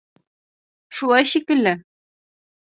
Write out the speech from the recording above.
Шулай шикелле.